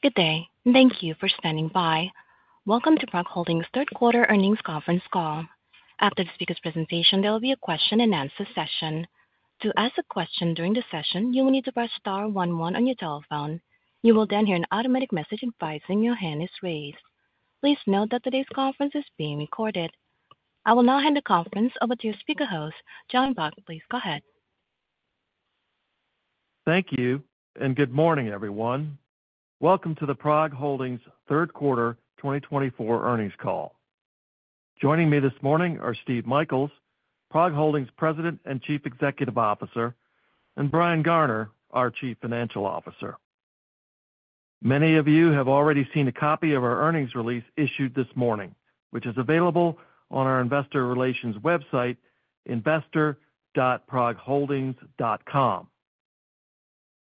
Good day, and thank you for standing by. Welcome to PROG Holdings' third quarter earnings conference call. After the speaker's presentation, there will be a question-and-answer session. To ask a question during the session, you will need to press star one one on your telephone. You will then hear an automatic message advising your hand is raised. Please note that today's conference is being recorded. I will now hand the conference over to your speaker host, John Baugh. Please go ahead. Thank you, and good morning, everyone. Welcome to the PROG Holdings third quarter twenty twenty-four earnings call. Joining me this morning are Steve Michaels, PROG Holdings President and Chief Executive Officer, and Brian Garner, our Chief Financial Officer. Many of you have already seen a copy of our earnings release issued this morning, which is available on our investor relations website, investor.progholdings.com.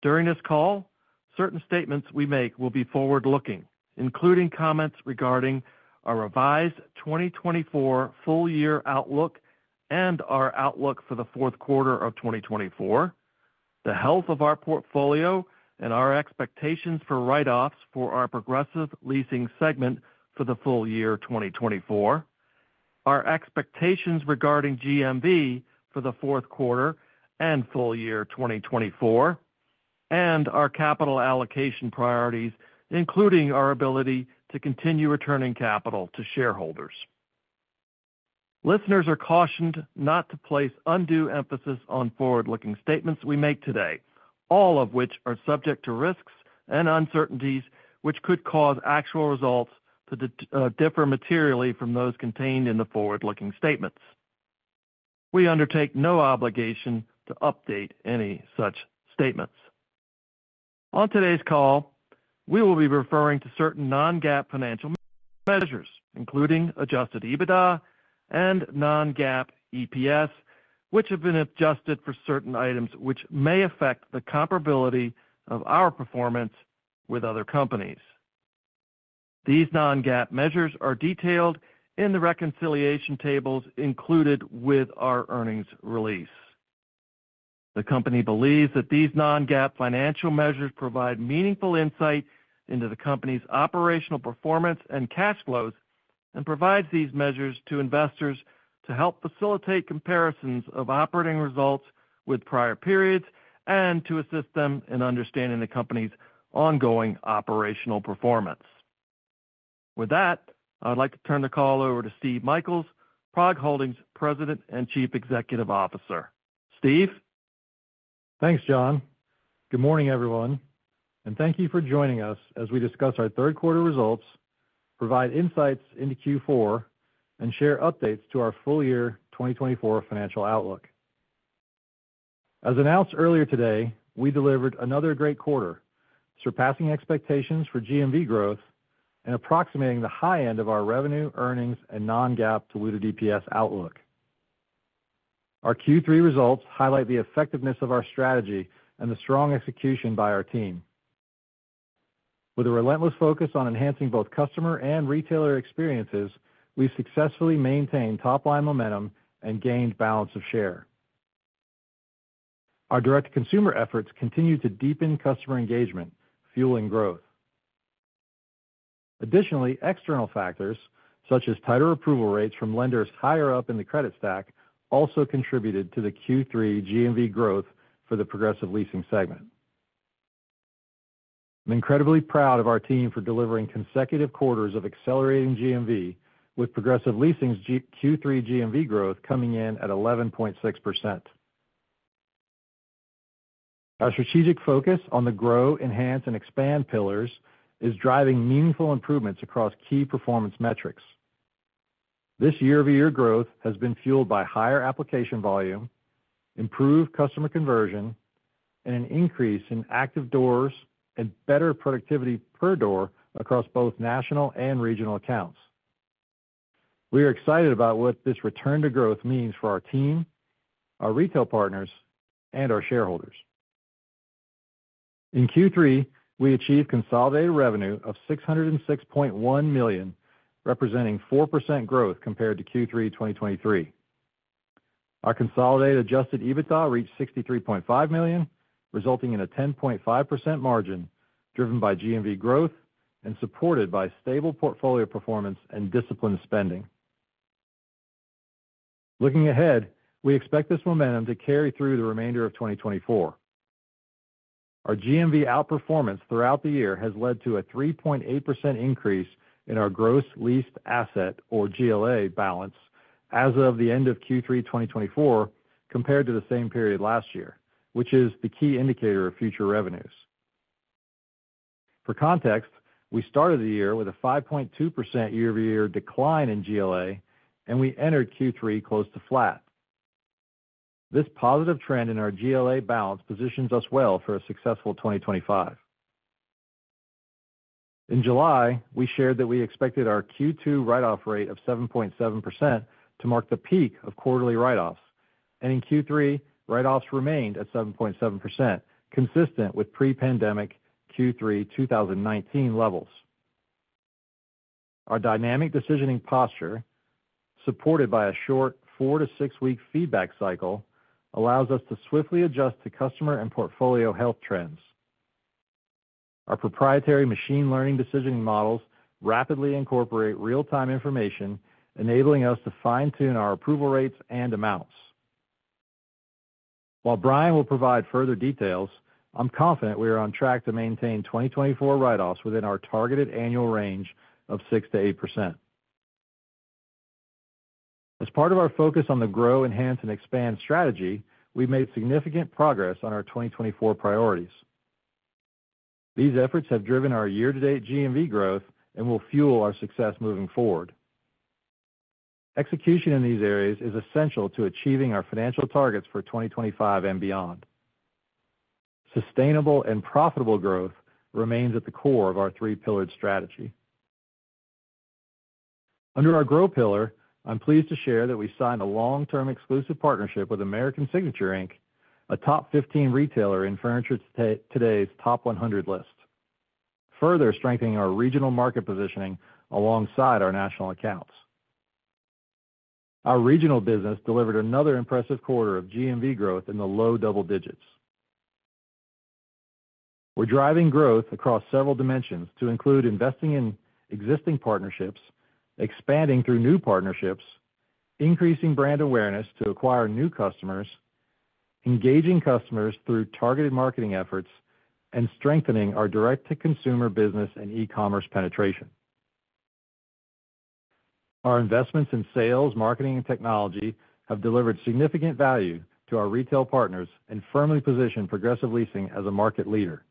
During this call, certain statements we make will be forward-looking, including comments regarding our revised twenty twenty-four full year outlook and our outlook for the fourth quarter of twenty twenty-four, the health of our portfolio and our expectations for write-offs for our Progressive Leasing segment for the full year twenty twenty-four, our expectations regarding GMV for the fourth quarter and full year twenty twenty-four, and our capital allocation priorities, including our ability to continue returning capital to shareholders. Listeners are cautioned not to place undue emphasis on forward-looking statements we make today, all of which are subject to risks and uncertainties, which could cause actual results to differ materially from those contained in the forward-looking statements. We undertake no obligation to update any such statements. On today's call, we will be referring to certain non-GAAP financial measures, including adjusted EBITDA and non-GAAP EPS, which have been adjusted for certain items, which may affect the comparability of our performance with other companies. These non-GAAP measures are detailed in the reconciliation tables included with our earnings release. The company believes that these non-GAAP financial measures provide meaningful insight into the company's operational performance and cash flows, and provides these measures to investors to help facilitate comparisons of operating results with prior periods and to assist them in understanding the company's ongoing operational performance. With that, I'd like to turn the call over to Steve Michaels, PROG Holdings President and Chief Executive Officer. Steve? Thanks, John. Good morning, everyone, and thank you for joining us as we discuss our third quarter results, provide insights into Q4, and share updates to our full-year 2024 financial outlook. As announced earlier today, we delivered another great quarter, surpassing expectations for GMV growth and approximating the high end of our revenue, earnings, and Non-GAAP diluted EPS outlook. Our Q3 results highlight the effectiveness of our strategy and the strong execution by our team. With a relentless focus on enhancing both customer and retailer experiences, we've successfully maintained top-line momentum and gained balance of share. Our direct-to-consumer efforts continue to deepen customer engagement, fueling growth. Additionally, external factors, such as tighter approval rates from lenders higher up in the credit stack, also contributed to the Q3 GMV growth for the Progressive Leasing segment. I'm incredibly proud of our team for delivering consecutive quarters of accelerating GMV with Progressive Leasing's Q3 GMV growth coming in at 11.6%. Our strategic focus on the Grow, Enhance, and Expand pillars is driving meaningful improvements across key performance metrics. This year-over-year growth has been fueled by higher application volume, improved customer conversion, and an increase in active doors and better productivity per door across both national and regional accounts. We are excited about what this return to growth means for our team, our retail partners, and our shareholders. In Q3, we achieved consolidated revenue of $606.1 million, representing 4% growth compared to Q3 2023. Our consolidated adjusted EBITDA reached $63.5 million, resulting in a 10.5% margin, driven by GMV growth and supported by stable portfolio performance and disciplined spending. Looking ahead, we expect this momentum to carry through the remainder of 2024. Our GMV outperformance throughout the year has led to a 3.8% increase in our gross leased asset, or GLA, balance as of the end of Q3 2024, compared to the same period last year, which is the key indicator of future revenues. For context, we started the year with a 5.2% year-over-year decline in GLA, and we entered Q3 close to flat. This positive trend in our GLA balance positions us well for a successful 2025. In July, we shared that we expected our Q2 write-off rate of 7.7% to mark the peak of quarterly write-offs, and in Q3, write-offs remained at 7.7%, consistent with pre-pandemic Q3 2019 levels. Our dynamic decisioning posture, supported by a short four- to six-week feedback cycle, allows us to swiftly adjust to customer and portfolio health trends. Our proprietary machine learning decisioning models rapidly incorporate real-time information, enabling us to fine-tune our approval rates and amounts. While Brian will provide further details, I'm confident we are on track to maintain twenty twenty-four write-offs within our targeted annual range of 6%-8%. As part of our focus on the grow, enhance, and expand strategy, we've made significant progress on our twenty twenty-four priorities. These efforts have driven our year-to-date GMV growth and will fuel our success moving forward. Execution in these areas is essential to achieving our financial targets for twenty twenty-five and beyond. Sustainable and profitable growth remains at the core of our three-pillared strategy. Under our Grow pillar, I'm pleased to share that we signed a long-term exclusive partnership with American Signature, Inc., a top 15 retailer in Furniture Today’s Top 100 list, further strengthening our regional market positioning alongside our national accounts. Our regional business delivered another impressive quarter of GMV growth in the low double digits. We're driving growth across several dimensions to include investing in existing partnerships, expanding through new partnerships, increasing brand awareness to acquire new customers, engaging customers through targeted marketing efforts, and strengthening our direct-to-consumer business and e-commerce penetration. Our investments in sales, marketing, and technology have delivered significant value to our retail partners and firmly positioned Progressive Leasing as a market leader.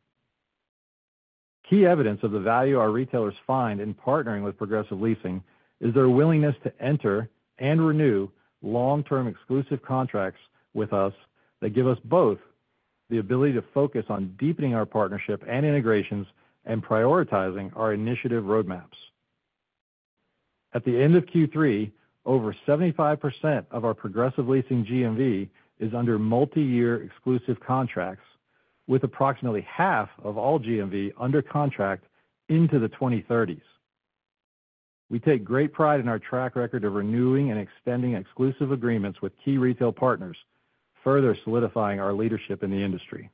Key evidence of the value our retailers find in partnering with Progressive Leasing is their willingness to enter and renew long-term exclusive contracts with us that give us both the ability to focus on deepening our partnership and integrations and prioritizing our initiative roadmaps. At the end of Q3, over 75% of our Progressive Leasing GMV is under multiyear exclusive contracts, with approximately half of all GMV under contract into the 2030s. We take great pride in our track record of renewing and extending exclusive agreements with key retail partners, further solidifying our leadership in the industry.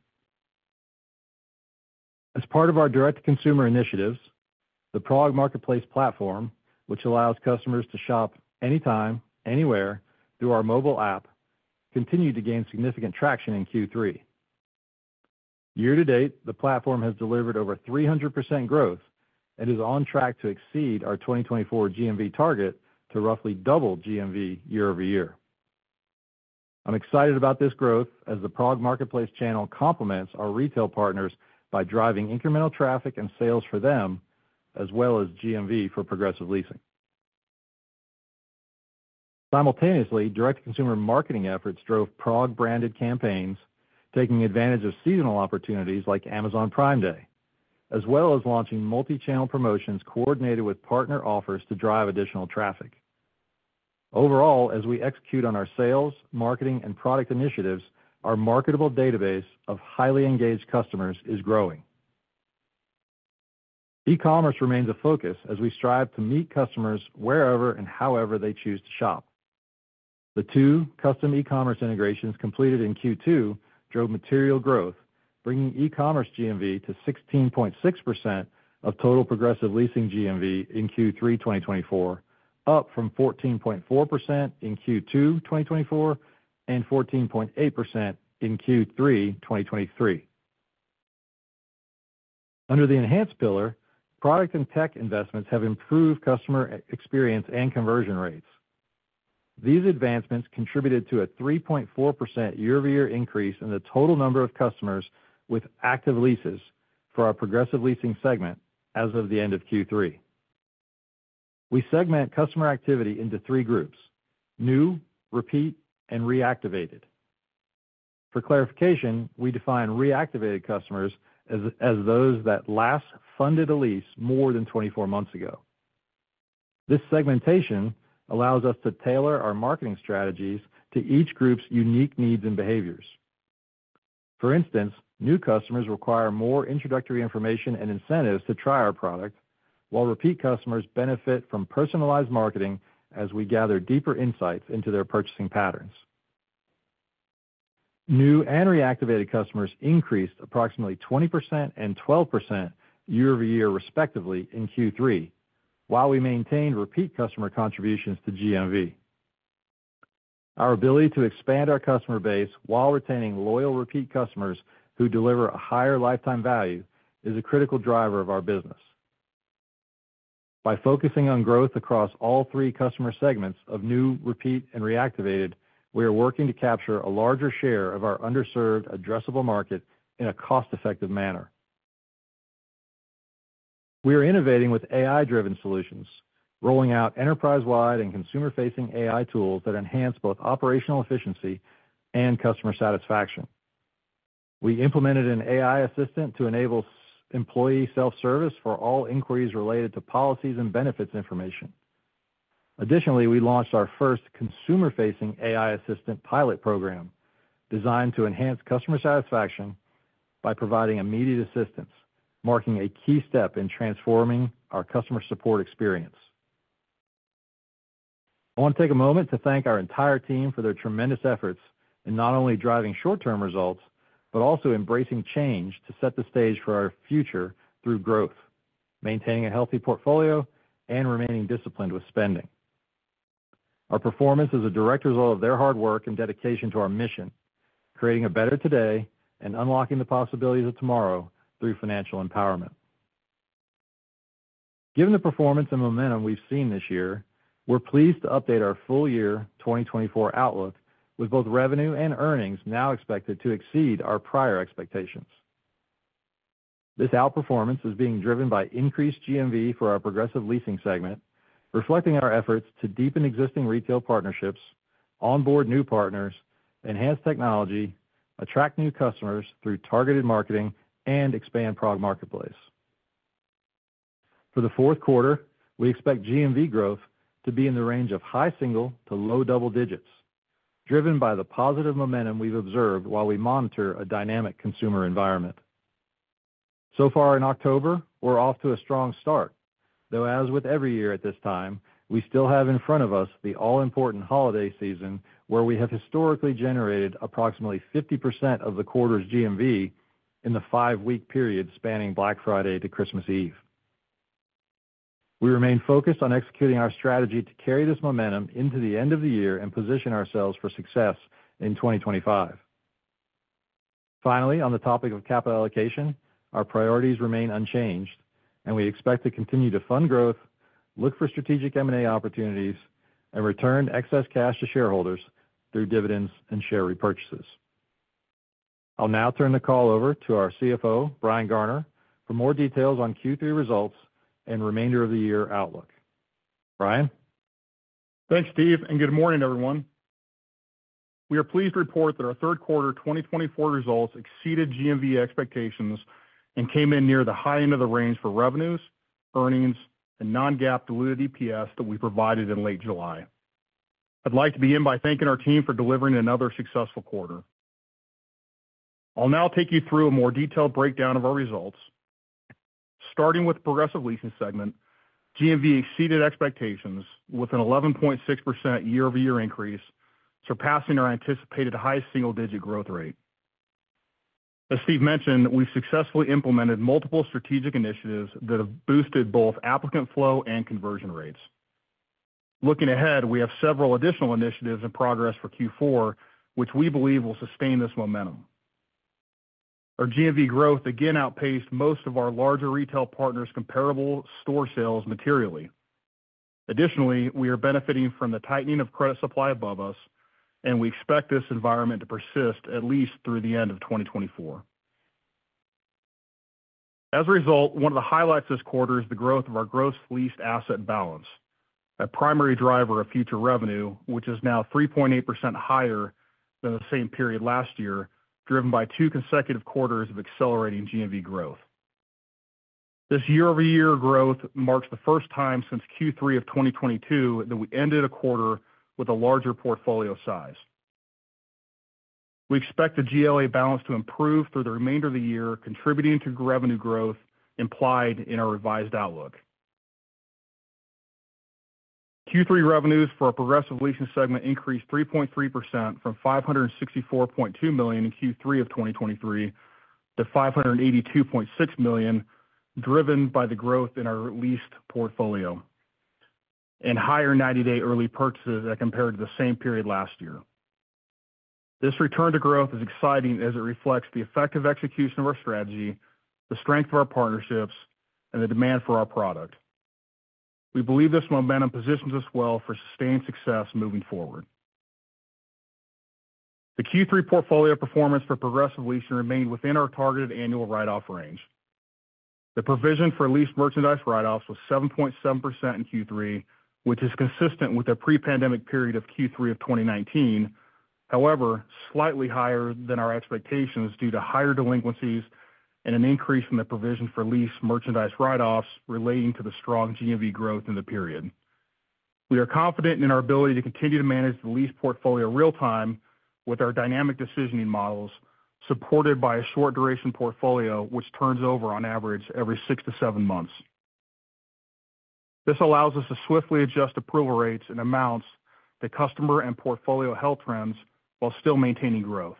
As part of our direct-to-consumer initiatives, the PROG Marketplace platform, which allows customers to shop anytime, anywhere through our mobile app, continued to gain significant traction in Q3. Year to date, the platform has delivered over 300% growth and is on track to exceed our 2024 GMV target to roughly double GMV year-over-year. I'm excited about this growth as the PROG Marketplace channel complements our retail partners by driving incremental traffic and sales for them, as well as GMV for Progressive Leasing. Simultaneously, direct-to-consumer marketing efforts drove PROG-branded campaigns, taking advantage of seasonal opportunities like Amazon Prime Day, as well as launching multi-channel promotions coordinated with partner offers to drive additional traffic. Overall, as we execute on our sales, marketing, and product initiatives, our marketable database of highly engaged customers is growing. E-commerce remains a focus as we strive to meet customers wherever and however they choose to shop. The two custom e-commerce integrations completed in Q2 drove material growth, bringing e-commerce GMV to 16.6% of total Progressive Leasing GMV in Q3, 2024, up from 14.4% in Q2, 2024, and 14.8% in Q3, 2023. Under the Enhance pillar, product and tech investments have improved customer experience and conversion rates. These advancements contributed to a 3.4% year-over-year increase in the total number of customers with active leases for our Progressive Leasing segment as of the end of Q3. We segment customer activity into three groups: new, repeat, and reactivated. For clarification, we define reactivated customers as those that last funded a lease more than twenty-four months ago. This segmentation allows us to tailor our marketing strategies to each group's unique needs and behaviors. For instance, new customers require more introductory information and incentives to try our product, while repeat customers benefit from personalized marketing as we gather deeper insights into their purchasing patterns. New and reactivated customers increased approximately 20% and 12% year-over-year, respectively, in Q3, while we maintained repeat customer contributions to GMV. Our ability to expand our customer base while retaining loyal, repeat customers who deliver a higher lifetime value is a critical driver of our business. By focusing on growth across all three customer segments of new, repeat, and reactivated, we are working to capture a larger share of our underserved addressable market in a cost-effective manner. We are innovating with AI-driven solutions, rolling out enterprise-wide and consumer-facing AI tools that enhance both operational efficiency and customer satisfaction. We implemented an AI assistant to enable employee self-service for all inquiries related to policies and benefits information. Additionally, we launched our first consumer-facing AI assistant pilot program, designed to enhance customer satisfaction by providing immediate assistance, marking a key step in transforming our customer support experience. I want to take a moment to thank our entire team for their tremendous efforts in not only driving short-term results, but also embracing change to set the stage for our future through growth, maintaining a healthy portfolio, and remaining disciplined with spending. Our performance is a direct result of their hard work and dedication to our mission, creating a better today and unlocking the possibilities of tomorrow through financial empowerment. Given the performance and momentum we've seen this year, we're pleased to update our full year 2024 outlook, with both revenue and earnings now expected to exceed our prior expectations. This outperformance is being driven by increased GMV for our Progressive Leasing segment, reflecting our efforts to deepen existing retail partnerships, onboard new partners, enhance technology, attract new customers through targeted marketing, and expand PROG Marketplace. For the fourth quarter, we expect GMV growth to be in the range of high single to low double digits, driven by the positive momentum we've observed while we monitor a dynamic consumer environment. So far in October, we're off to a strong start, though, as with every year at this time, we still have in front of us the all-important holiday season, where we have historically generated approximately 50% of the quarter's GMV in the five-week period spanning Black Friday to Christmas Eve. We remain focused on executing our strategy to carry this momentum into the end of the year and position ourselves for success in 2025. Finally, on the topic of capital allocation, our priorities remain unchanged, and we expect to continue to fund growth, look for strategic M&A opportunities, and return excess cash to shareholders through dividends and share repurchases. I'll now turn the call over to our CFO, Brian Garner, for more details on Q3 results and remainder of the year outlook. Brian? Thanks, Steve, and good morning, everyone. We are pleased to report that our third quarter twenty twenty-four results exceeded GMV expectations and came in near the high end of the range for revenues, earnings, and Non-GAAP diluted EPS that we provided in late July. I'd like to begin by thanking our team for delivering another successful quarter. I'll now take you through a more detailed breakdown of our results. Starting with Progressive Leasing segment, GMV exceeded expectations with an 11.6% year-over-year increase, surpassing our anticipated high single-digit growth rate. As Steve mentioned, we've successfully implemented multiple strategic initiatives that have boosted both applicant flow and conversion rates. Looking ahead, we have several additional initiatives in progress for Q4, which we believe will sustain this momentum. Our GMV growth again outpaced most of our larger retail partners' comparable store sales materially. Additionally, we are benefiting from the tightening of credit supply above us, and we expect this environment to persist at least through the end of 2024. As a result, one of the highlights this quarter is the growth of our gross leased asset balance, a primary driver of future revenue, which is now 3.8% higher than the same period last year, driven by two consecutive quarters of accelerating GMV growth. This year-over-year growth marks the first time since Q3 of 2022 that we ended a quarter with a larger portfolio size. We expect the GLA balance to improve through the remainder of the year, contributing to revenue growth implied in our revised outlook. Q3 revenues for our Progressive Leasing segment increased 3.3% from $564.2 million in Q3 of 2023 to $582.6 million, driven by the growth in our leased portfolio and higher 90-day early purchases as compared to the same period last year. This return to growth is exciting as it reflects the effective execution of our strategy, the strength of our partnerships, and the demand for our product. We believe this momentum positions us well for sustained success moving forward. The Q3 portfolio performance for Progressive Leasing remained within our targeted annual write-off range. The provision for leased merchandise write-offs was 7.7% in Q3, which is consistent with the pre-pandemic period of Q3 of 2019. However, slightly higher than our expectations due to higher delinquencies and an increase in the provision for leased merchandise write-offs relating to the strong GMV growth in the period. We are confident in our ability to continue to manage the lease portfolio real-time with our dynamic decisioning models, supported by a short duration portfolio, which turns over on average every six to seven months. This allows us to swiftly adjust approval rates and amounts to customer and portfolio health trends while still maintaining growth.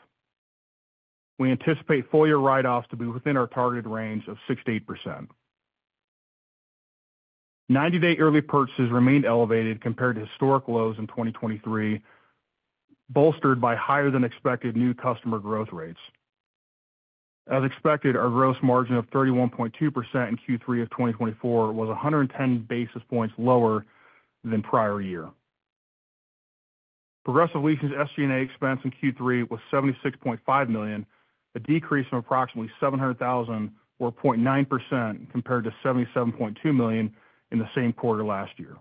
We anticipate full-year write-offs to be within our targeted range of 6%-8%. 90-day early purchases remained elevated compared to historic lows in 2023, bolstered by higher than expected new customer growth rates. As expected, our gross margin of 31.2% in Q3 of 2024 was 110 basis points lower than prior year. Progressive Leasing's SG&A expense in Q3 was $76.5 million, a decrease of approximately $700,000, or 0.9% compared to $77.2 million in the same quarter last year.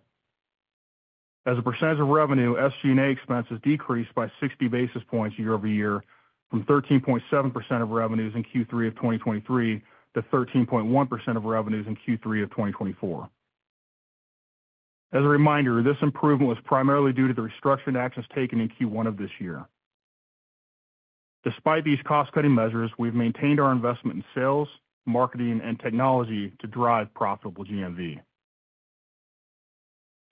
As a percentage of revenue, SG&A expenses decreased by 60 basis points year-over-year from 13.7% of revenues in Q3 of 2023 to 13.1% of revenues in Q3 of 2024. As a reminder, this improvement was primarily due to the restructuring actions taken in Q1 of this year. Despite these cost-cutting measures, we've maintained our investment in sales, marketing, and technology to drive profitable GMV.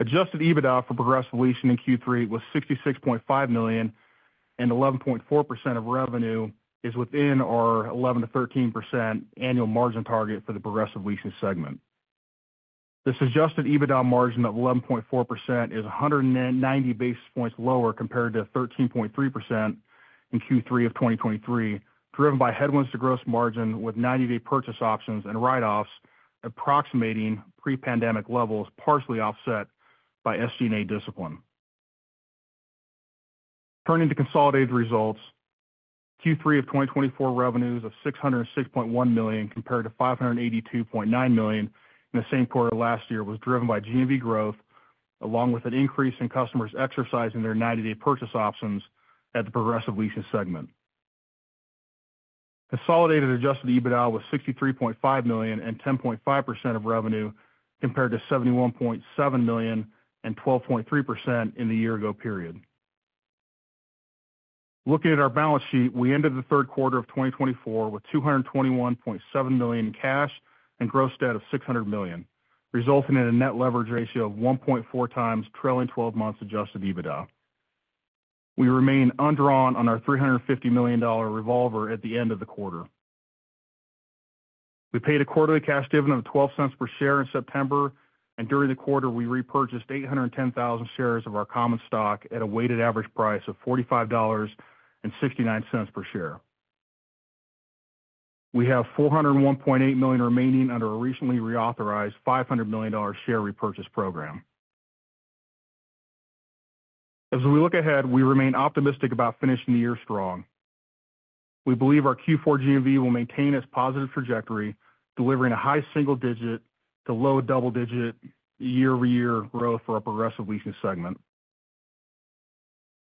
Adjusted EBITDA for Progressive Leasing in Q3 was $66.5 million, and 11.4% of revenue is within our 11%-13% annual margin target for the Progressive Leasing segment. This adjusted EBITDA margin of 11.4% is 190 basis points lower compared to 13.3% in Q3 of 2023, driven by headwinds to gross margin, with 90-day purchase options and write-offs approximating pre-pandemic levels, partially offset by SG&A discipline. Turning to consolidated results, Q3 of 2024 revenues of $606.1 million, compared to $582.9 million in the same quarter last year, was driven by GMV growth, along with an increase in customers exercising their 90-day purchase options at the Progressive Leasing segment. Consolidated adjusted EBITDA was $63.5 million and 10.5% of revenue, compared to $71.7 million and 12.3% in the year ago period. Looking at our balance sheet, we ended the third quarter of 2024 with $221.7 million in cash and gross debt of $600 million, resulting in a net leverage ratio of 1.4 times trailing twelve months Adjusted EBITDA. We remain undrawn on our $350 million revolver at the end of the quarter. We paid a quarterly cash dividend of $0.12 per share in September, and during the quarter, we repurchased 810,000 shares of our common stock at a weighted average price of $45.69 per share. We have $401.8 million remaining under a recently reauthorized $500 million share repurchase program. As we look ahead, we remain optimistic about finishing the year strong. We believe our Q4 GMV will maintain its positive trajectory, delivering a high single digit to low double-digit year-over-year growth for our Progressive Leasing segment.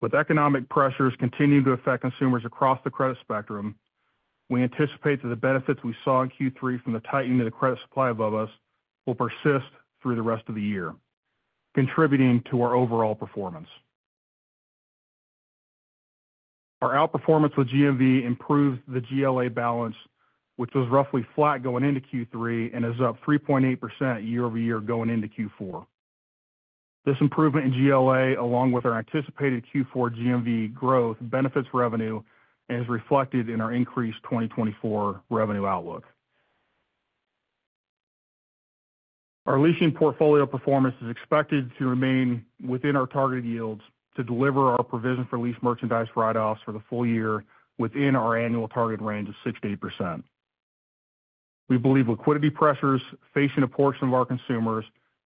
With economic pressures continuing to affect consumers across the credit spectrum, we anticipate that the benefits we saw in Q3 from the tightening of the credit supply above us will persist through the rest of the year, contributing to our overall performance. Our outperformance with GMV improved the GLA balance, which was roughly flat going into Q3 and is up 3.8% year-over-year going into Q4. This improvement in GLA, along with our anticipated Q4 GMV growth, benefits revenue and is reflected in our increased 2024 revenue outlook. Our leasing portfolio performance is expected to remain within our targeted yields to deliver our provision for Leased Merchandise Write-offs for the full year within our annual target range of 6%-8%. We believe liquidity pressures facing a portion of our consumers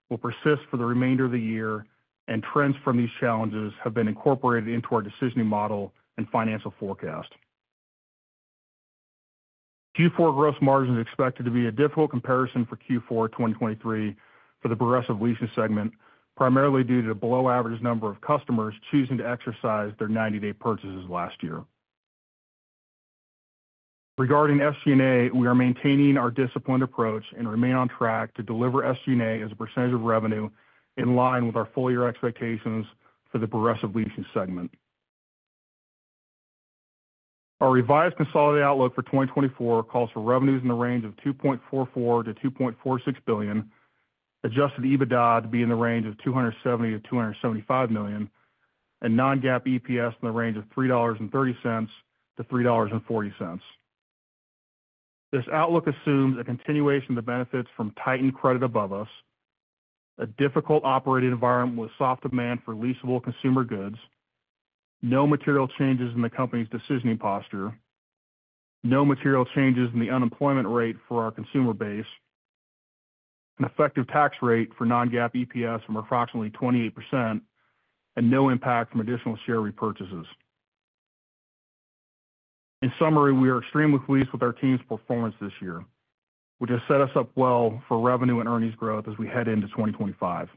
will persist for the remainder of the year, and trends from these challenges have been incorporated into our decisioning model and financial forecast. Q4 gross margin is expected to be a difficult comparison for Q4 2023 for the Progressive Leasing segment, primarily due to the below average number of customers choosing to exercise their 90-day purchases last year. Regarding SG&A, we are maintaining our disciplined approach and remain on track to deliver SG&A as a percentage of revenue in line with our full year expectations for the Progressive Leasing segment. Our revised consolidated outlook for 2024 calls for revenues in the range of $2.44 billion-$2.46 billion, Adjusted EBITDA to be in the range of $270 million-$275 million, and non-GAAP EPS in the range of $3.30-$3.40. This outlook assumes a continuation of the benefits from tightened credit above us, a difficult operating environment with soft demand for leasable consumer goods, no material changes in the company's decisioning posture, no material changes in the unemployment rate for our consumer base, an effective tax rate for non-GAAP EPS of approximately 28%, and no impact from additional share repurchases. In summary, we are extremely pleased with our team's performance this year, which has set us up well for revenue and earnings growth as we head into 2025.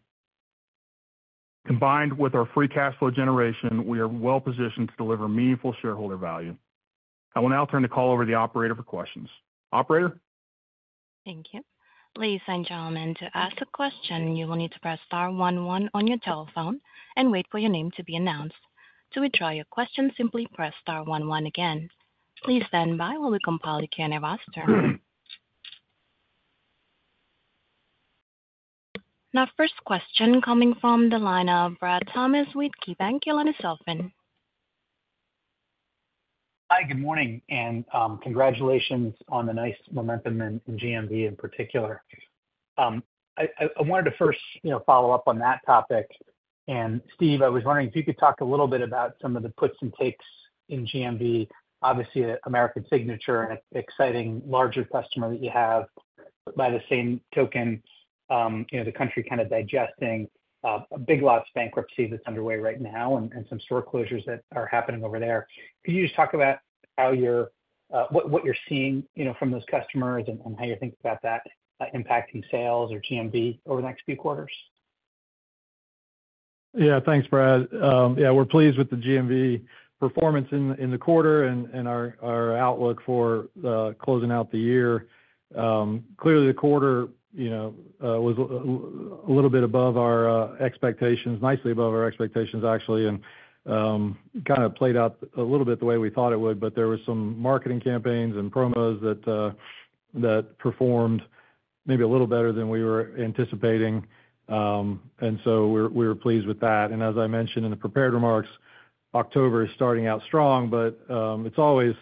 Combined with our free cash flow generation, we are well positioned to deliver meaningful shareholder value. I will now turn the call over to the operator for questions. Operator? Thank you. Ladies and gentlemen, to ask a question, you will need to press star one one on your telephone and wait for your name to be announced. To withdraw your question, simply press star one one again. Please stand by while we compile the Q&A roster. Our first question coming from the line of Brad Thomas with KeyBanc. Your line is open. Hi, good morning, and congratulations on the nice momentum in GMV in particular. I wanted to first, you know, follow up on that topic. Steve, I was wondering if you could talk a little bit about some of the puts and takes in GMV. Obviously, American Signature, an exciting larger customer that you have. By the same token, you know, the company kind of digesting a Big Lots bankruptcy that's underway right now and some store closures that are happening over there. Could you just talk about how you're what you're seeing, you know, from those customers and how you think about that impacting sales or GMV over the next few quarters? Yeah, thanks, Brad. Yeah, we're pleased with the GMV performance in the quarter and our outlook for closing out the year. Clearly, the quarter, you know, was a little bit above our expectations, nicely above our expectations, actually. And kind of played out a little bit the way we thought it would, but there were some marketing campaigns and promos that that performed maybe a little better than we were anticipating. And so we were pleased with that. And as I mentioned in the prepared remarks, October is starting out strong, but it's always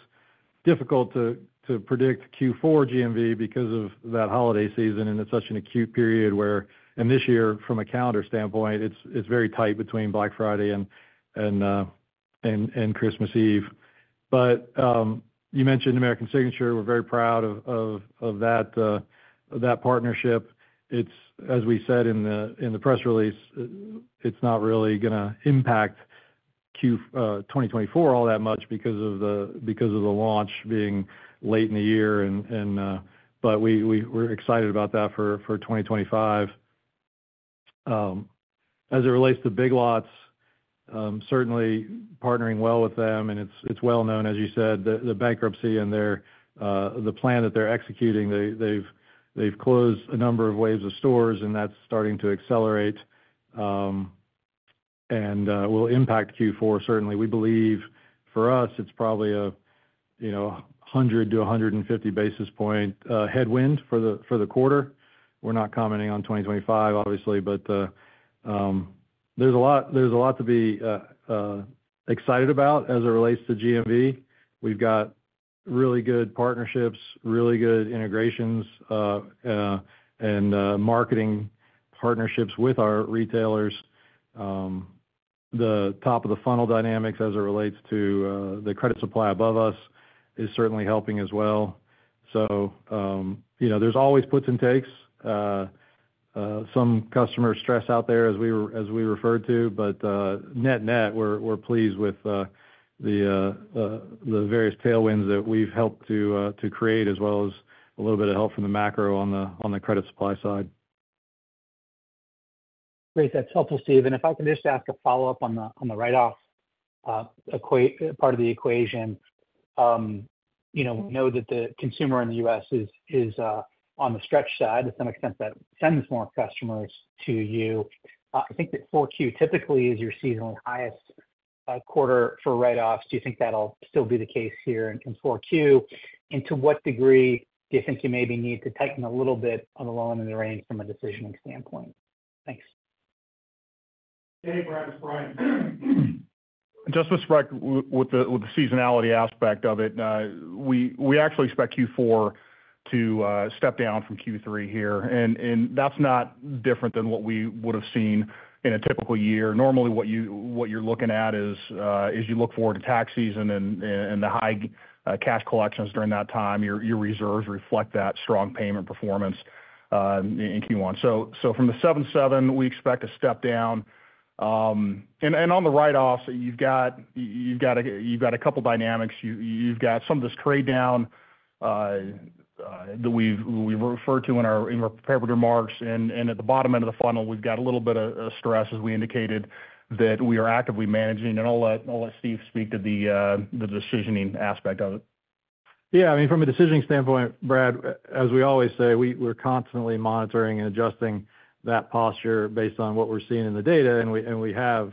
difficult to predict Q4 GMV because of that holiday season, and it's such an acute period where and this year, from a calendar standpoint, it's very tight between Black Friday and Christmas Eve. You mentioned American Signature. We're very proud of that partnership. As we said in the press release, it's not really going to impact Q4 2024 all that much because of the launch being late in the year, but we're excited about that for 2025. As it relates to Big Lots, certainly partnering well with them, and it's well known, as you said, the bankruptcy and their plan that they're executing. They've closed a number of waves of stores, and that's starting to accelerate, and will impact Q4, certainly. We believe for us, it's probably a, you know, 100-150 basis point headwind for the quarter. We're not commenting on 2025, obviously, but there's a lot to be excited about as it relates to GMV. We've got really good partnerships, really good integrations, and marketing partnerships with our retailers. The top of the funnel dynamics as it relates to the credit supply above us is certainly helping as well. So, you know, there's always puts and takes. Some customer stress out there as we referred to, but net-net, we're pleased with the various tailwinds that we've helped to create, as well as a little bit of help from the macro on the credit supply side. Great. That's helpful, Steve. And if I could just ask a follow-up on the, on the write-off part of the equation. You know, we know that the consumer in the U.S. is, is on the stretch side to some extent, that sends more customers to you. I think that Q4 typically is your seasonally highest quarter for write-offs. Do you think that'll still be the case here in Q4? And to what degree do you think you maybe need to tighten a little bit on the loan in the range from a decisioning standpoint? Thanks. Hey, Brad, it's Brian. Just with respect to the seasonality aspect of it, we actually expect Q4 to step down from Q3 here, and that's not different than what we would have seen in a typical year. Normally, what you're looking at is you look forward to tax season and the high cash collections during that time. Your reserves reflect that strong payment performance in Q1. So from the 77, we expect to step down. And on the write-offs, you've got a couple dynamics. You, you've got some of this trade down that we've referred to in our prepared remarks, and at the bottom end of the funnel, we've got a little bit of stress, as we indicated, that we are actively managing. And I'll let Steve speak to the decisioning aspect of it. Yeah, I mean, from a decisioning standpoint, Brad, as we always say, we're constantly monitoring and adjusting that posture based on what we're seeing in the data. And we have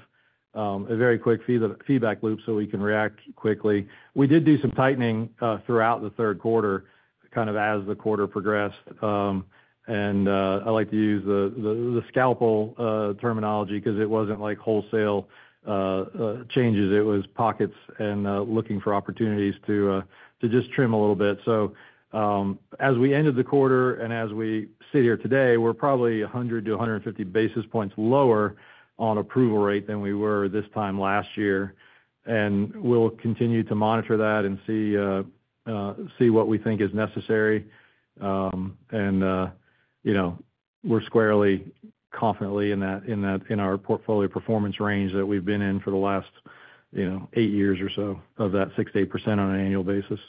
a very quick feedback loop, so we can react quickly. We did do some tightening throughout the third quarter, kind of as the quarter progressed. And I like to use the scalpel terminology, 'cause it wasn't like wholesale changes. It was pockets and looking for opportunities to just trim a little bit. So, as we ended the quarter and as we sit here today, we're probably 100-150 basis points lower on approval rate than we were this time last year. And we'll continue to monitor that and see what we think is necessary. You know, we're squarely, confidently in that in our portfolio performance range that we've been in for the last, you know, eight years or so, of that 6%-8% on an annual basis.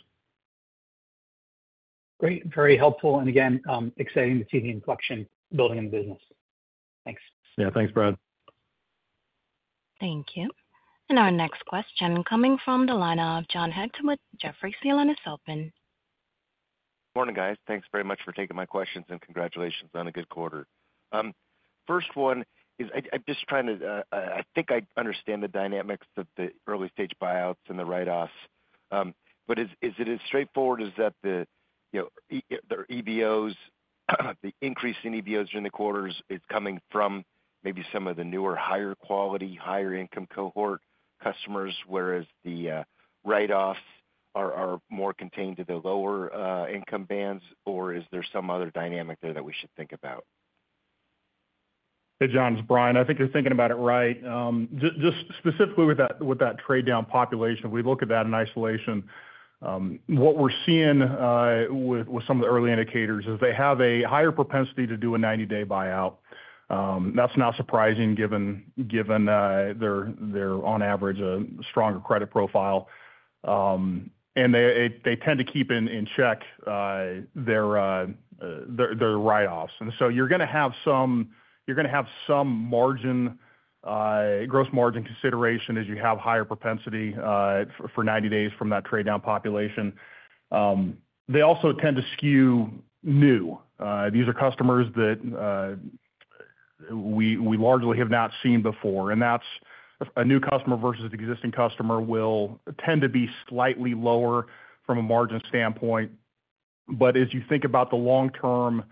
Great. Very helpful. And again, exciting to see the inflection building in the business. Thanks. Yeah. Thanks, Brad. Thank you. And our next question coming from the line of John Hecht with Jefferies. Line is open. Morning, guys. Thanks very much for taking my questions, and congratulations on a good quarter. First one is, I'm just trying to... I think I understand the dynamics that the early-stage buyouts and the write-offs, but is it as straightforward as that the, you know, EBOs, the increase in EBOs during the quarters is coming from maybe some of the newer, higher quality, higher income cohort customers, whereas the write-offs are more contained to the lower income bands? Or is there some other dynamic there that we should think about? Hey, John, it's Brian. I think you're thinking about it right. Just specifically with that, with that trade-down population, we look at that in isolation. What we're seeing with some of the early indicators is they have a higher propensity to do a 90-day buyout. That's not surprising given their, on average, a stronger credit profile. And they tend to keep in check their write-offs. And so you're gonna have some margin, gross margin consideration as you have higher propensity for ninety days from that trade down population. They also tend to skew new. These are customers that we largely have not seen before, and that's a new customer versus existing customer will tend to be slightly lower from a margin standpoint. But as you think about the long-term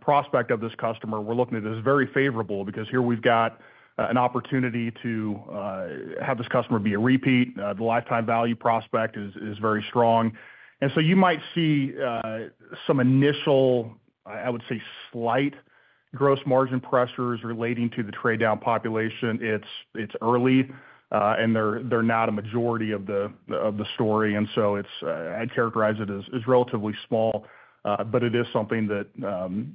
prospect of this customer, we're looking at it as very favorable because here we've got an opportunity to have this customer be a repeat. The lifetime value prospect is very strong. And so you might see some initial, I would say, slight gross margin pressures relating to the trade down population. It's early, and they're not a majority of the story, and so it's, I'd characterize it as relatively small, but it is something that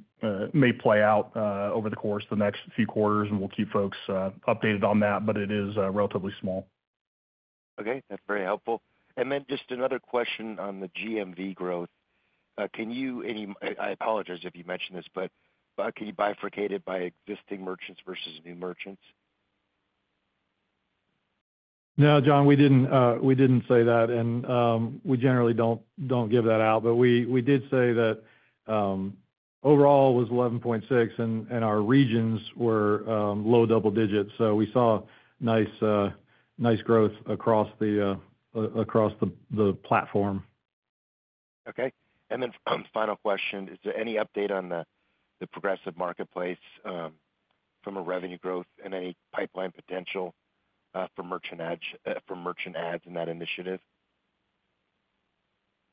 may play out over the course of the next few quarters, and we'll keep folks updated on that, but it is relatively small. Okay, that's very helpful. And then just another question on the GMV growth. I apologize if you mentioned this, but, can you bifurcate it by existing merchants versus new merchants? No, John, we didn't, we didn't say that, and we generally don't give that out. But we did say that overall was 11.6, and our regions were low double digits. So we saw nice growth across the platform. Okay. And then, final question. Is there any update on the PROG Marketplace from a revenue growth and any pipeline potential for merchant adds in that initiative?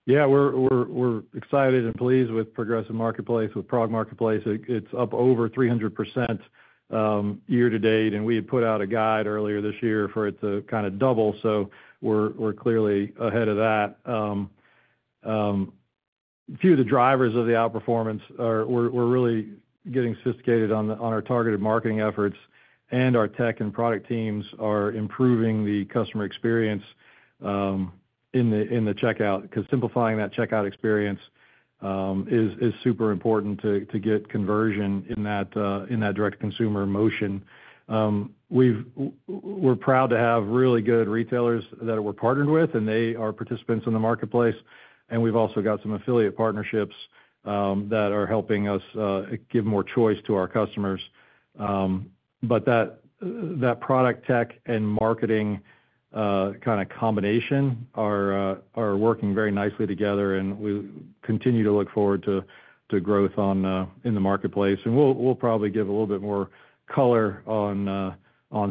Yeah, we're excited and pleased with PROG Marketplace. It, it's up over 300% year to date, and we had put out a guide earlier this year for it to kind of double. So we're clearly ahead of that. A few of the drivers of the outperformance are we're really getting sophisticated on our targeted marketing efforts, and our tech and product teams are improving the customer experience in the checkout, because simplifying that checkout experience is super important to get conversion in that direct-to-consumer motion. We're proud to have really good retailers that we're partnered with, and they are participants in the marketplace, and we've also got some affiliate partnerships that are helping us give more choice to our customers. but that product tech and marketing kind of combination are working very nicely together, and we continue to look forward to growth in the marketplace, and we'll probably give a little bit more color on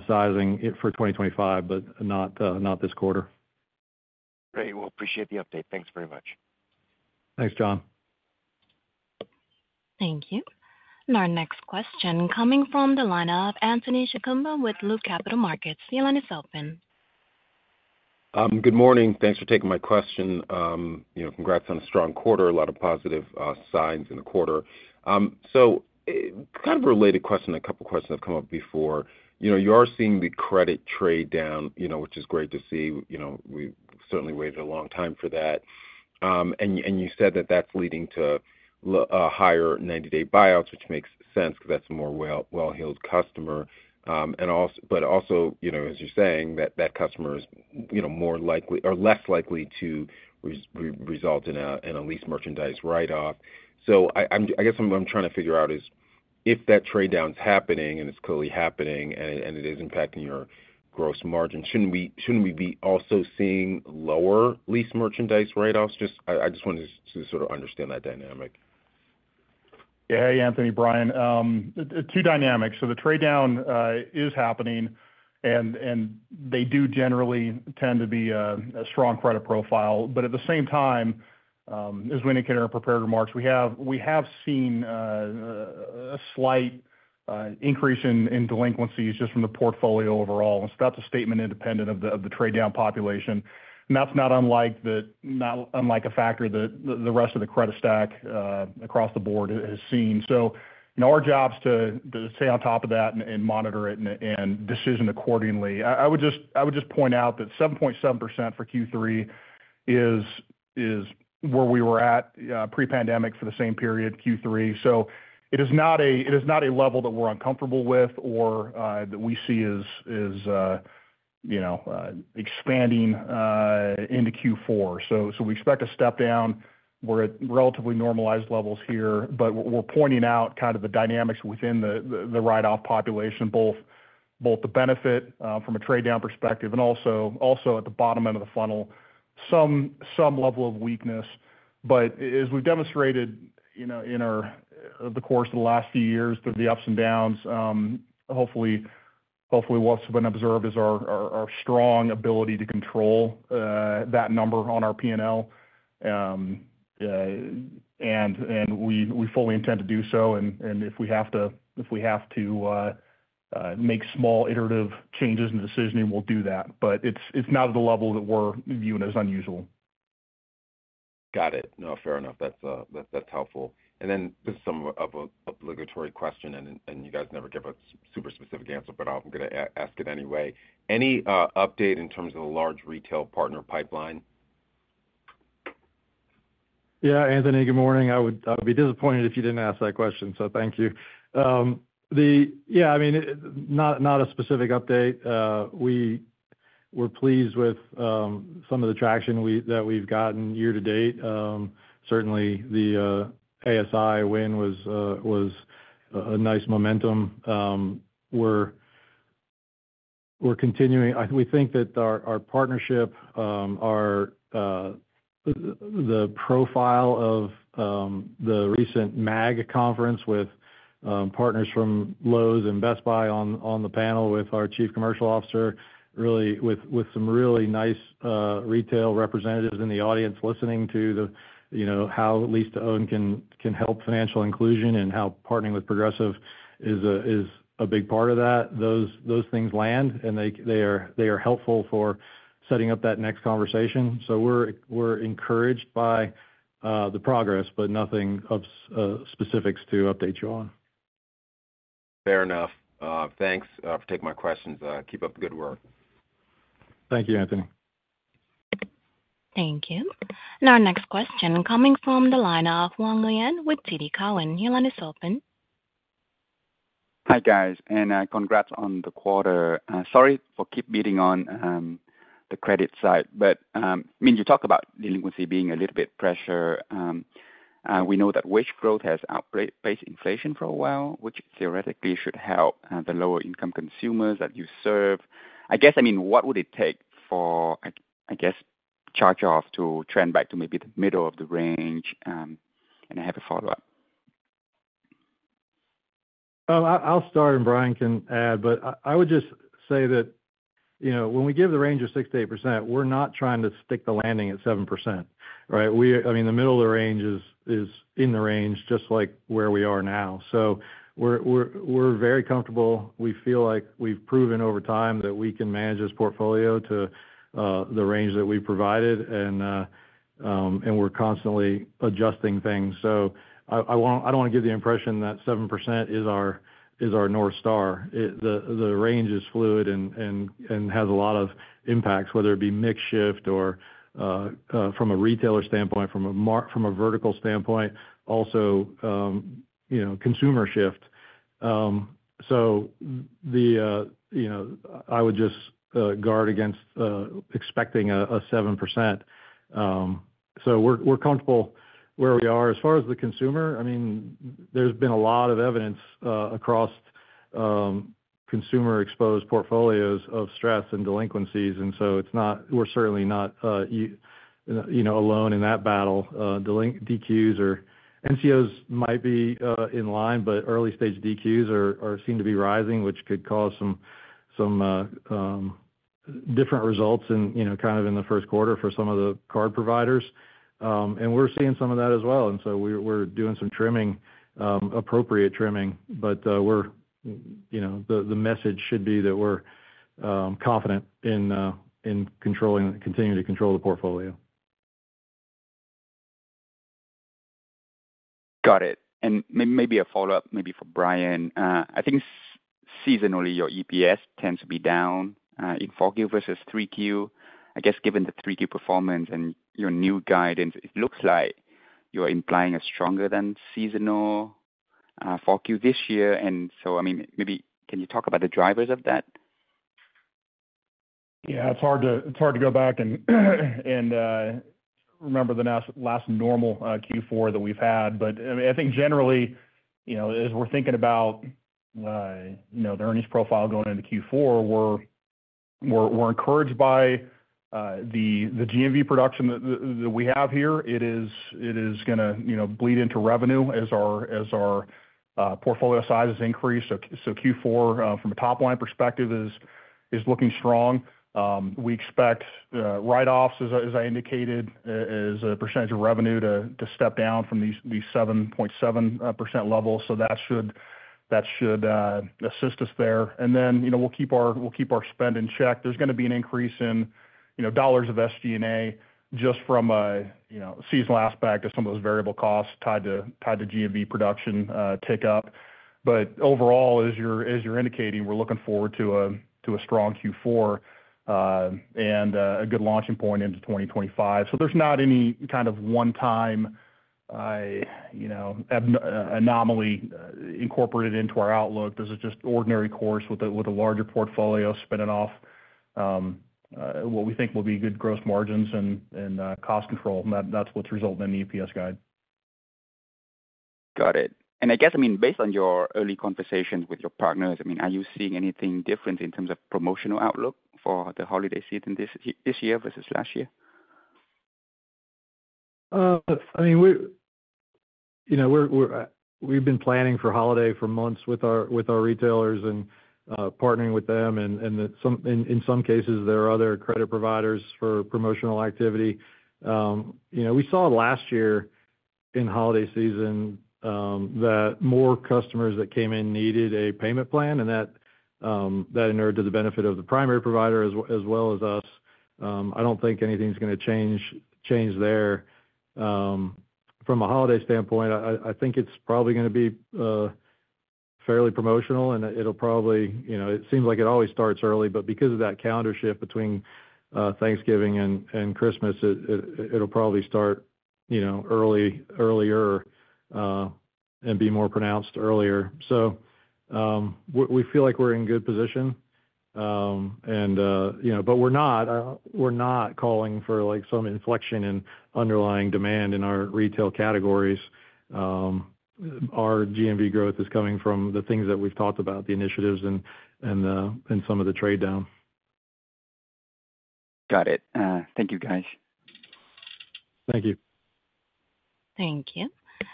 sizing it for twenty twenty-five, but not this quarter. Great. Well, appreciate the update. Thanks very much. Thanks, John. Thank you. And our next question coming from the line of Anthony Chukumba with Loop Capital Markets. Your line is open. Good morning. Thanks for taking my question. You know, congrats on a strong quarter. A lot of positive signs in the quarter. So, kind of a related question, a couple of questions have come up before. You know, you are seeing the credit trade down, you know, which is great to see. You know, we've certainly waited a long time for that. And you said that that's leading to higher 90-day buyouts, which makes sense because that's a more well-heeled customer. And also, but also, you know, as you're saying, that that customer is, you know, more likely or less likely to result in a lease merchandise write-off. I guess what I'm trying to figure out is, if that trade-down's happening, and it's clearly happening, and it is impacting your gross margin, shouldn't we be also seeing lower lease merchandise write-offs? Just, I just wanted to sort of understand that dynamic. Yeah. Hey, Anthony, Brian. Two dynamics. So the trade down is happening, and they do generally tend to be a strong credit profile. But at the same time, as we indicated in our prepared remarks, we have seen a slight increase in delinquencies just from the portfolio overall. That's a statement independent of the trade-down population. And that's not unlike a factor that the rest of the credit stack across the board has seen. So, you know, our job is to stay on top of that and monitor it and decision accordingly. I would just point out that 7.7% for Q3 is where we were at pre-pandemic for the same period, Q3. So it is not a level that we're uncomfortable with or that we see as expanding into Q4. So we expect to step down. We're at relatively normalized levels here, but we're pointing out kind of the dynamics within the write-off population, both the benefit from a trade-down perspective and also at the bottom end of the funnel, some level of weakness. But as we've demonstrated, you know, in the course of the last few years, through the ups and downs, hopefully, what's been observed is our strong ability to control that number on our P&L, and we fully intend to do so, and if we have to make small iterative changes in decisioning, we'll do that, but it's not at the level that we're viewing as unusual. Got it. No, fair enough. That's helpful. And then this is some obligatory question, and you guys never give a super specific answer, but I'm gonna ask it anyway. Any update in terms of the large retail partner pipeline? Yeah, Anthony, good morning. I would be disappointed if you didn't ask that question, so thank you. I mean, not a specific update. We were pleased with some of the traction that we've gotten year to date. Certainly the ASI win was a nice momentum. We're continuing. We think that our partnership, the profile of the recent MAG conference with partners from Lowe's and Best Buy on the panel with our Chief Commercial Officer, really with some really nice retail representatives in the audience listening to the, you know, how lease-to-own can help financial inclusion and how partnering with Progressive is a big part of that. Those things land, and they are helpful for setting up that next conversation, so we're encouraged by the progress, but nothing of specifics to update you on. Fair enough. Thanks for taking my questions. Keep up the good work. Thank you, Anthony. Thank you. And our next question coming from the line of Hoang Nguyen with TD Cowen. Your line is open. Hi, guys, and congrats on the quarter. Sorry for keep beating on the credit side, but I mean, you talk about delinquency being a little bit pressure. We know that wage growth has outpaced inflation for a while, which theoretically should help the lower income consumers that you serve. I guess, I mean, what would it take for charge-off to trend back to maybe the middle of the range? And I have a follow-up. I'll start, and Brian can add, but I would just say that, you know, when we give the range of 6%-8%, we're not trying to stick the landing at 7%, right? I mean, the middle of the range is in the range, just like where we are now. So we're very comfortable. We feel like we've proven over time that we can manage this portfolio to the range that we provided, and we're constantly adjusting things. So I won't. I don't want to give the impression that 7% is our north star. The range is fluid and has a lot of impacts, whether it be mix shift or from a retailer standpoint, from a vertical standpoint, also, you know, consumer shift. So, you know, I would just guard against expecting a 7%. So we're comfortable where we are. As far as the consumer, I mean, there's been a lot of evidence across consumer-exposed portfolios of stress and delinquencies, and so it's not. We're certainly not, you know, alone in that battle. Delinquencies, DQs or NCOs might be in line, but early-stage DQs seem to be rising, which could cause some different results in, you know, kind of in the first quarter for some of the card providers. And we're seeing some of that as well, and so we're doing some trimming, appropriate trimming. But we're, you know, the message should be that we're confident in continuing to control the portfolio. Got it. And maybe a follow-up, maybe for Brian. I think seasonally, your EPS tends to be down in 4Q versus 3Q. I guess, given the 3Q performance and your new guidance, it looks like you're implying a stronger than seasonal 4Q this year. And so, I mean, maybe can you talk about the drivers of that? Yeah, it's hard to go back and remember the last normal Q4 that we've had. But, I mean, I think generally, you know, as we're thinking about, you know, the earnings profile going into Q4, we're encouraged by the GMV production that we have here. It is gonna, you know, bleed into revenue as our portfolio sizes increase. So Q4 from a top-line perspective is looking strong. We expect write-offs, as I indicated, as a percentage of revenue to step down from these 7.7% level. So that should assist us there. And then, you know, we'll keep our spend in check. There's gonna be an increase in, you know, dollars of SG&A just from a, you know, seasonal aspect of some of those variable costs tied to GMV production tick up. But overall, as you're indicating, we're looking forward to a strong Q4 and a good launching point into 2025. So there's not any kind of one-time, you know, anomaly incorporated into our outlook. This is just ordinary course with a larger portfolio spinning off what we think will be good gross margins and cost control. And that's what's resulting in the EPS guide. Got it. And I guess, I mean, based on your early conversations with your partners, I mean, are you seeing anything different in terms of promotional outlook for the holiday season this year versus last year? I mean, you know, we're, we've been planning for holiday for months with our retailers and partnering with them, and in some cases, there are other credit providers for promotional activity. You know, we saw last year in holiday season that more customers that came in needed a payment plan, and that inured to the benefit of the primary provider as well as us. I don't think anything's gonna change there. From a holiday standpoint, I think it's probably gonna be fairly promotional, and it'll probably, you know, it seems like it always starts early, but because of that calendar shift between Thanksgiving and Christmas, it'll probably start, you know, earlier and be more pronounced earlier. So, we feel like we're in good position. And, you know, but we're not calling for, like, some inflection in underlying demand in our retail categories. Our GMV growth is coming from the things that we've talked about, the initiatives and some of the trade down. Got it. Thank you, guys. Thank you. Thank you.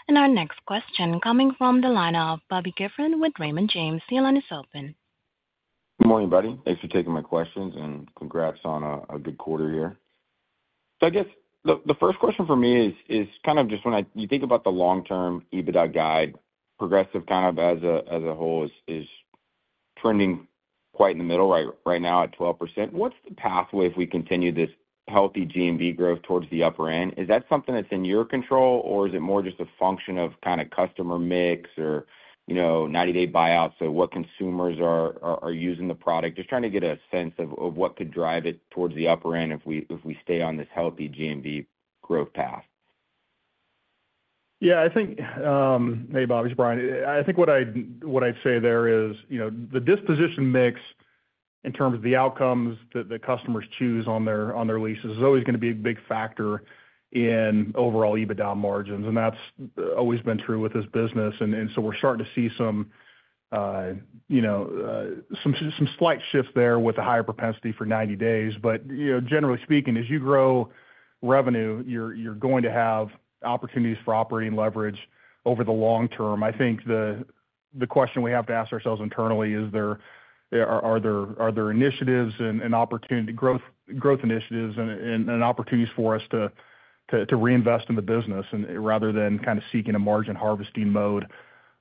And our next question coming from the line of Bobby Griffin with Raymond James. The line is open. Good morning, everybody. Thanks for taking my questions, and congrats on a good quarter here. So I guess the first question for me is kind of just when you think about the long-term EBITDA guide. Progressive kind of as a whole is trending quite in the middle right now at 12%. What's the pathway if we continue this healthy GMV growth towards the upper end? Is that something that's in your control, or is it more just a function of kind of customer mix or, you know, 90-day buyouts, so what consumers are using the product? Just trying to get a sense of what could drive it towards the upper end if we stay on this healthy GMV growth path. Yeah, I think... Hey, Bobby, it's Brian. I think what I'd say there is, you know, the disposition mix in terms of the outcomes that the customers choose on their leases is always gonna be a big factor in overall EBITDA margins, and that's always been true with this business. So we're starting to see some slight shifts there with a higher propensity for ninety days. But, you know, generally speaking, as you grow revenue, you're going to have opportunities for operating leverage over the long term. I think the question we have to ask ourselves internally is, are there initiatives and opportunities, growth initiatives and opportunities for us to reinvest in the business and rather than kind of seeking a margin harvesting mode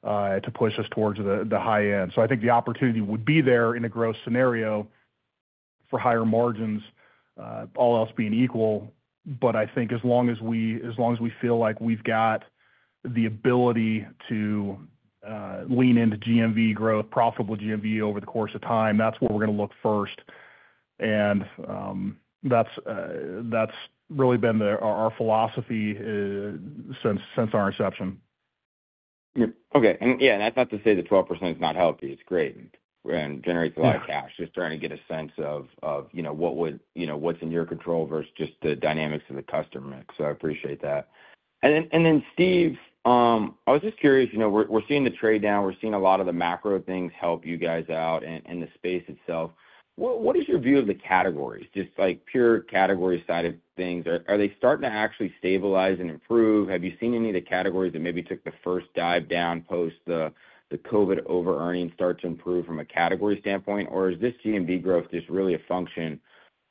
to push us towards the high end. So I think the opportunity would be there in a growth scenario for higher margins, all else being equal. But I think as long as we feel like we've got the ability to lean into GMV growth, profitable GMV over the course of time, that's where we're gonna look first. And that's really been our philosophy since our inception. Yep. Okay. And, yeah, that's not to say the 12% is not healthy. It's great and generates a lot of cash. Yeah. Just trying to get a sense of, you know, what's in your control versus just the dynamics of the customer mix, so I appreciate that. And then, Steve, I was just curious, you know, we're seeing the trade down, we're seeing a lot of the macro things help you guys out in the space itself. What is your view of the categories? Just like pure category side of things. Are they starting to actually stabilize and improve? Have you seen any of the categories that maybe took the first dive down post the COVID overearning start to improve from a category standpoint? Or is this GMV growth just really a function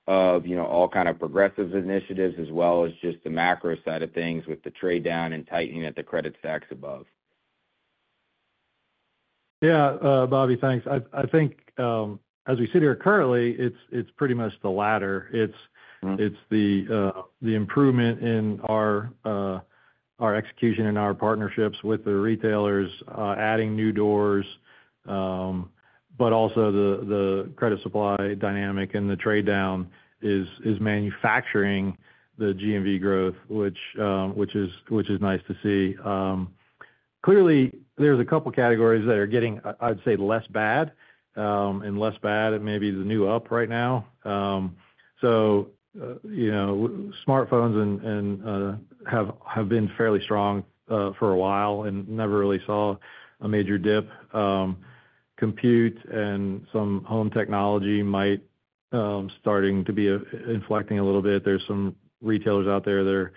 of, you know, all kind of Progressive's initiatives, as well as just the macro side of things with the trade down and tightening at the credit stacks above? Yeah, Bobby, thanks. I think, as we sit here currently, it's pretty much the latter. Mm-hmm. It's the improvement in our execution and our partnerships with the retailers, adding new doors, but also the credit supply dynamic and the trade down is manifesting the GMV growth, which is nice to see. Clearly, there's a couple categories that are getting, I'd say, less bad and maybe turning up right now. So, you know, smartphones and have been fairly strong for a while and never really saw a major dip. Compute and some home technology might be starting to inflect a little bit. There's some retailers out there that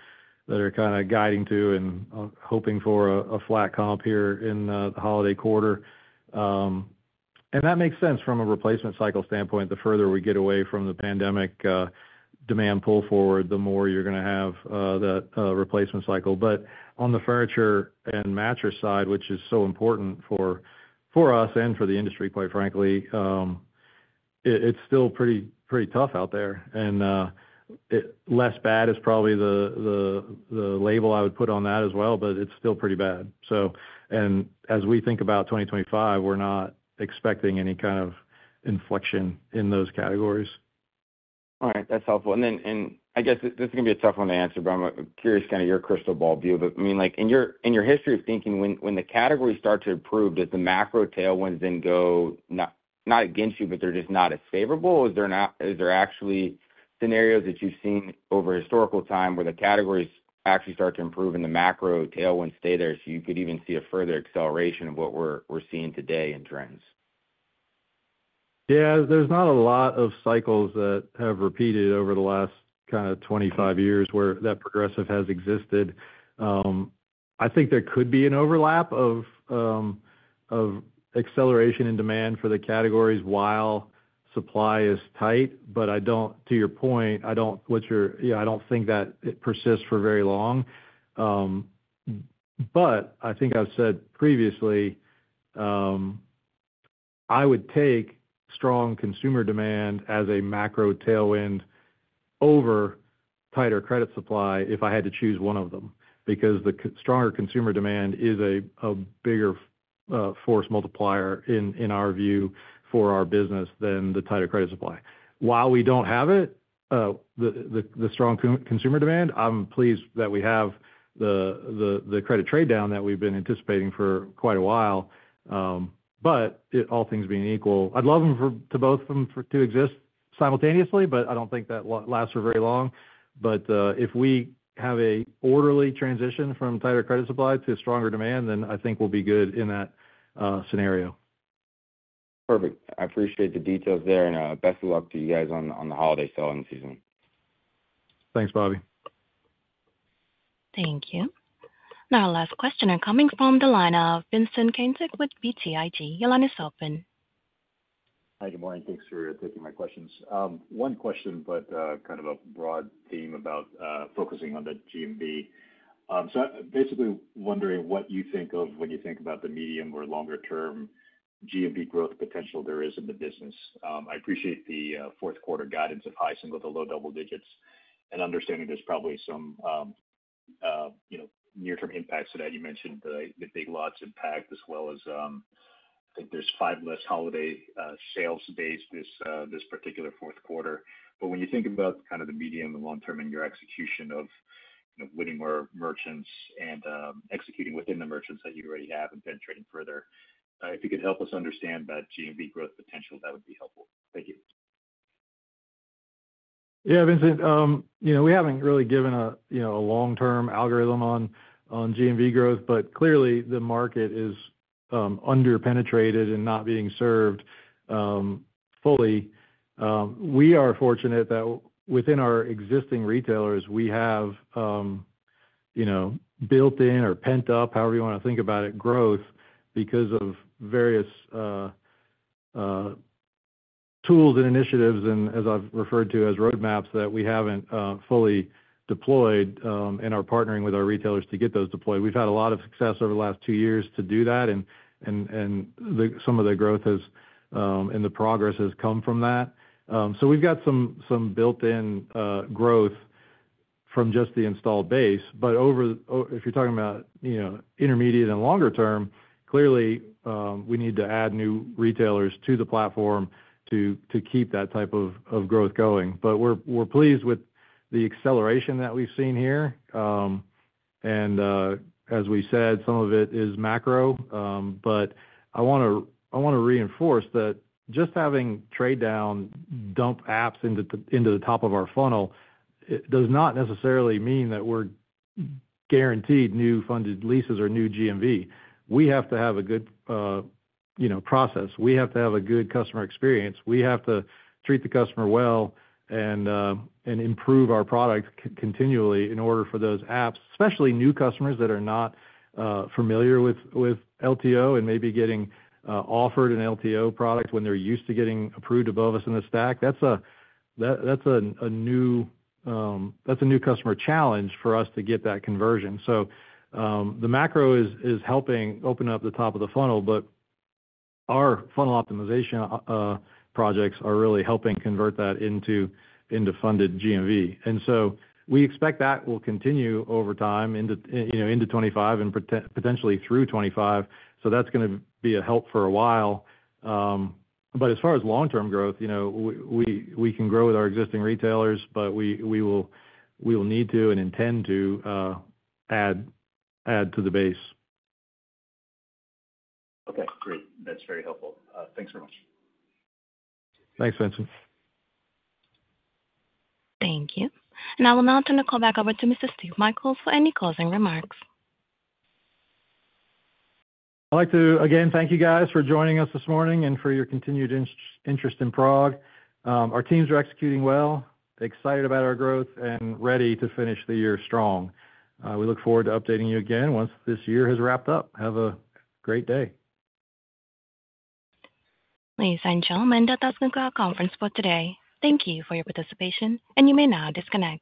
are kind of guiding to and hoping for a flat comp here in the holiday quarter, and that makes sense from a replacement cycle standpoint. The further we get away from the pandemic, demand pull forward, the more you're gonna have that replacement cycle. But on the furniture and mattress side, which is so important for us and for the industry, quite frankly, it's still pretty tough out there. And less bad is probably the label I would put on that as well, but it's still pretty bad. So, and as we think about 2025, we're not expecting any kind of inflection in those categories. All right. That's helpful, and then, and I guess this is gonna be a tough one to answer, but I'm curious kind of your crystal ball view, but I mean, like, in your, in your history of thinking, when, when the categories start to improve, does the macro tailwinds then go not, not against you, but they're just not as favorable? Is there actually scenarios that you've seen over historical time where the categories actually start to improve and the macro tailwind stay there, so you could even see a further acceleration of what we're, we're seeing today in trends? Yeah, there's not a lot of cycles that have repeated over the last kind of twenty-five years, where that Progressive has existed. I think there could be an overlap of acceleration and demand for the categories while supply is tight, but I don't, to your point, think that it persists for very long. But I think I've said previously, I would take strong consumer demand as a macro tailwind over tighter credit supply if I had to choose one of them, because stronger consumer demand is a bigger force multiplier in our view for our business than the tighter credit supply. While we don't have it, the strong consumer demand, I'm pleased that we have the credit trade-down that we've been anticipating for quite a while. But, all things being equal, I'd love for both of them to exist simultaneously, but I don't think that lasts for very long. But, if we have an orderly transition from tighter credit supply to stronger demand, then I think we'll be good in that scenario. Perfect. I appreciate the details there, and best of luck to you guys on the holiday selling season. Thanks, Bobby. Thank you. Now, our last question are coming from the line of Vincent Caintic with BTIG. Your line is open. Hi, good morning. Thanks for taking my questions. One question, but kind of a broad theme about focusing on the GMV. So basically wondering what you think of when you think about the medium or longer term GMV growth potential there is in the business. I appreciate the fourth quarter guidance of high single to low double digits, and understanding there's probably some you know, near-term impacts to that. You mentioned the Big Lots impact, as well as I think there's five less holiday sales days this particular fourth quarter. But when you think about kind of the medium and long term in your execution of, you know, winning more merchants and, executing within the merchants that you already have and penetrating further, if you could help us understand that GMV growth potential, that would be helpful. Thank you. Yeah, Vincent, you know, we haven't really given a, you know, a long-term algorithm on GMV growth, but clearly, the market is under-penetrated and not being served fully. We are fortunate that within our existing retailers, we have, you know, built-in or pent-up, however you wanna think about it, growth, because of various tools and initiatives, and as I've referred to as roadmaps, that we haven't fully deployed, and are partnering with our retailers to get those deployed. We've had a lot of success over the last two years to do that, and some of the growth has, and the progress has come from that. So we've got some built-in growth from just the installed base. But over, if you're talking about, you know, intermediate and longer term, clearly, we need to add new retailers to the platform to keep that type of growth going. But we're pleased with the acceleration that we've seen here. And, as we said, some of it is macro, but I wanna reinforce that just having trade down dump apps into the top of our funnel, it does not necessarily mean that we're guaranteed new funded leases or new GMV. We have to have a good, you know, process. We have to have a good customer experience. We have to treat the customer well and improve our product continually in order for those apps, especially new customers that are not familiar with LTO and maybe getting offered an LTO product when they're used to getting approved above us in the stack. That's a new customer challenge for us to get that conversion. So, the macro is helping open up the top of the funnel, but our funnel optimization projects are really helping convert that into funded GMV. And so we expect that will continue over time into, you know, into 2025 and potentially through 2025, so that's gonna be a help for a while. But as far as long-term growth, you know, we can grow with our existing retailers, but we will need to and intend to add to the base. Okay, great. That's very helpful. Thanks very much. Thanks, Vincent. Thank you. And I will now turn the call back over to Mr. Steve Michaels for any closing remarks. I'd like to again thank you guys for joining us this morning and for your continued interest in PROG. Our teams are executing well, excited about our growth, and ready to finish the year strong. We look forward to updating you again once this year has wrapped up. Have a great day. Ladies and gentlemen, that does conclude our conference for today. Thank you for your participation, and you may now disconnect.